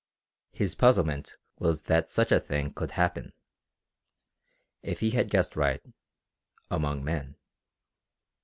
His puzzlement was that such a thing could happen, if he had guessed right, among men.